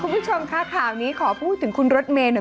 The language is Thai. คุณผู้ชมคะข่าวนี้ขอพูดถึงคุณรถเมย์หน่อย